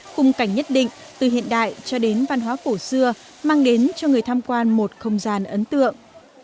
khung cảnh nhất định từ hiện đại cho đến văn hóa cổ xưa mang đến cho người tham quan một không gian ấn tượng